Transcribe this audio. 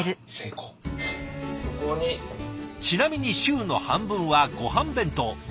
ちなみに週の半分はごはん弁当。